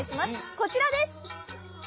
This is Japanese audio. こちらです！